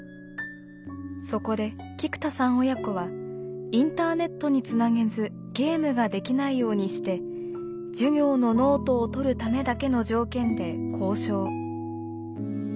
そこで菊田さん親子はインターネットにつなげずゲームができないようにして授業のノートをとるためだけの条件で交渉。